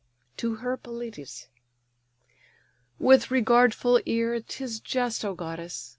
To her Pelides:—"With regardful ear, 'Tis just, O goddess!